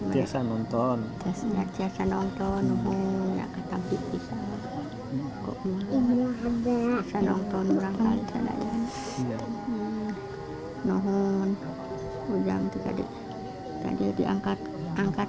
berbuat menonton serang murang kali saya ada di rumah